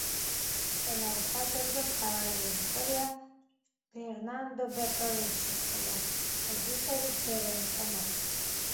სცენარის ავტორი და მთავარი რეჟისორია ბერნარდო ბერტოლუჩი, ხოლო პროდიუსერი ჯერემი ტომასი.